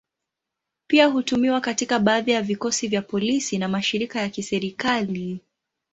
Pia hutumiwa katika baadhi ya vikosi vya polisi na mashirika ya kiserikali.